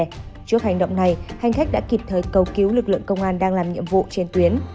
trước hành động này hành khách đã kịp thời cầu cứu lực lượng công an đang làm nhiệm vụ trên tuyến